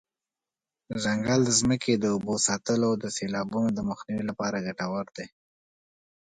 ځنګل د ځمکې د اوبو ساتلو او د سیلابونو د مخنیوي لپاره ګټور دی.